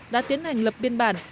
đã tiến hành lập biên bản